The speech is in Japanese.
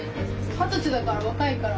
二十歳だから若いから。